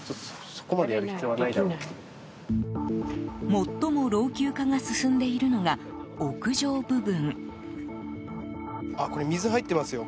最も老朽化が進んでいるのが屋上部分。